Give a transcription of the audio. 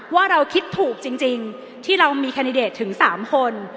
ว่าเราคิดถูกจริงที่เรามีแคนดิเดตถึง๓คน